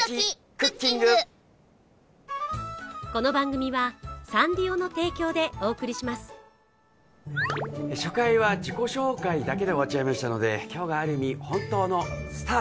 クッキング初回は自己紹介だけで終わっちゃいましたので今日がある意味